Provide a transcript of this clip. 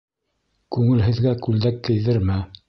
Күңелһеҙгә күлдәк кейҙермә.